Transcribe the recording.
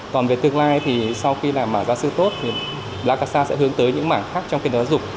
còn về tương lai thì sau khi làm giáo sư tốt thì plakasa sẽ hướng tới những mảng khác trong kinh doanh giáo dục